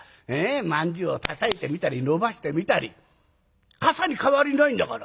まんじゅうをたたいてみたり伸ばしてみたりかさに変わりないんだから。